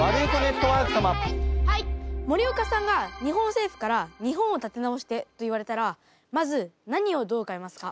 森岡さんが日本政府から「日本を立て直して」と言われたらまず何をどう変えますか？